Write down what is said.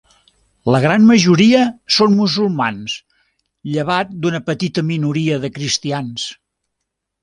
La gran majoria són musulmans llevat d'una petita minoria de cristians.